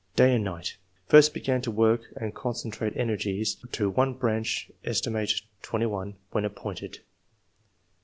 day and night. First began to work and concentrate energies to one branch aet. 21, when appointed